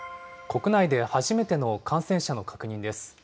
国内で初めての感染者の確認です。